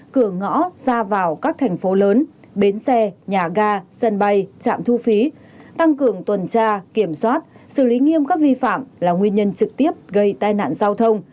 cửa ngõ ra vào các thành phố lớn bến xe nhà ga sân bay trạm thu phí tăng cường tuần tra kiểm soát xử lý nghiêm các vi phạm là nguyên nhân trực tiếp gây tai nạn giao thông